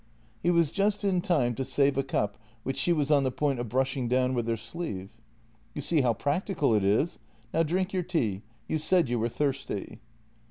" He was just in time to save a cup, which she was on the point of brushing down with her sleeve. "You see how practical it is. Now, drink your tea; you said you were thirsty."